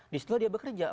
di situ dia bekerja